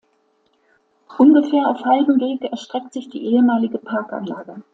Ungefähr auf halbem Weg erstreckt sich die ehemalige Parkanlage.